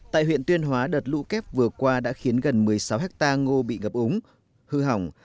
tại huyện tuyên hóa đợt lũ kép vừa qua đã khiến gần một mươi sáu hectare ngô bị ngập úng hư hỏng